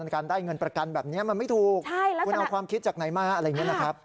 การได้เงินประกันแบบนี้มันไม่ถูกคุณเอาความคิดจากไหนมาอะไรอย่างนี้นะครับ